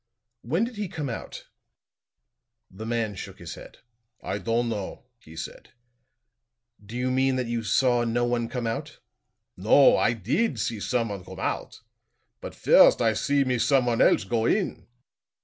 "When did he come out?" The man shook his head. "I don'd know," he said. "Do you mean that you saw no one come out?" "No; I did see someone come out. But first I see me someone else go in."